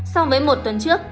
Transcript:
so với một tuần trước